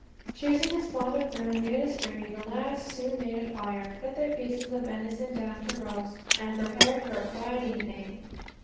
Choosing a spot of ground near the stream, the lads soon made a fire, put their pieces of venison down to roast, and prepared for a quiet evening.